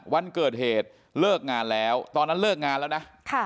วันเกิดเหตุเลิกงานแล้วตอนนั้นเลิกงานแล้วนะ